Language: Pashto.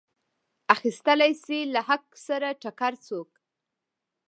اخیستلی شي له حق سره ټکر څوک.